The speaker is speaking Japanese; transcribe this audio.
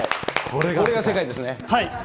これが世界ですはい。